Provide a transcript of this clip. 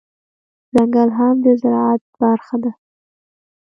ځنګل هم د زرعت برخه ده